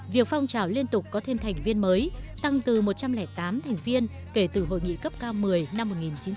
việc phong trào liên tục có thêm thành viên mới tăng từ một trăm linh tám thành viên kể từ hội nghị cấp cao một mươi năm một nghìn chín trăm tám mươi